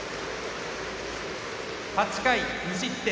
８回無失点。